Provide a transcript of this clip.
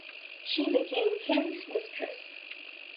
She became Kent's mistress.